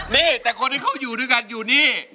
นี่แต่คนที่เขาอยู่ด้วยกันอยู่นี่